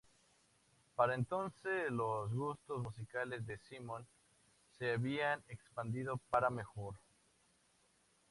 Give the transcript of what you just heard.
Para entonces, los gustos musicales de Simon se habían expandido para mejor.